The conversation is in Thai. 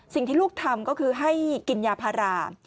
สิ่งที่ลูกทำก็คือให้กินยาพารา